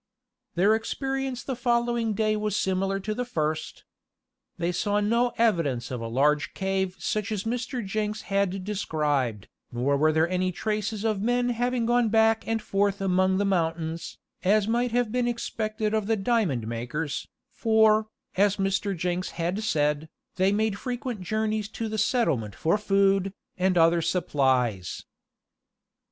Their experience the following day was similar to the first. They saw no evidence of a large cave such as Mr. Jenks had described, nor were there any traces of men having gone back and forth among the mountains, as might have been expected of the diamond makers, for, as Mr. Jenks had said, they made frequent journeys to the settlement for food, and other supplies.